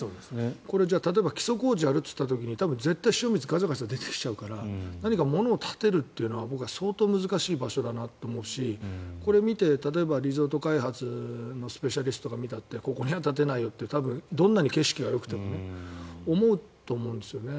これ、例えば基礎工事をやる時に塩水が出てきちゃうから何かものを建てるというのは僕は相当難しい場所だと思うしこれを見て例えば、リゾート開発のスペシャリストが見たってここには建てないよって多分どんなに景色がよくても思うと思うんですよね。